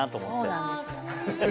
そうなんですよ。